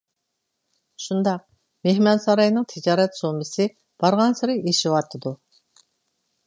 شۇنداق، مېھمانساراينىڭ تىجارەت سوممىسى بارغانسېرى ئېشىۋاتىدۇ.